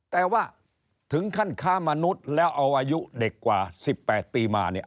แต่ว่าถึงขั้นค้ามนุษย์แล้วเอาอายุเด็กกว่า๑๘ปีมาเนี่ย